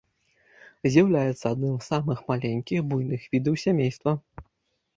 З'яўляецца адным з самых маленькіх буйных відаў сямейства.